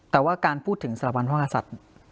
แต่ว่าการพูดถึงสถาบันพระมหาศัตริย์